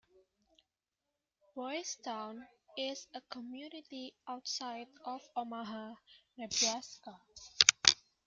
Boys Town is a community outside of Omaha, Nebraska.